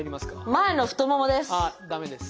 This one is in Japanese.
前の太ももです。